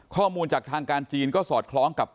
ข้อมูลจากทางการจีนก็สอดคล้องกับ